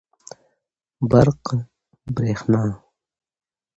برق √ بريښنا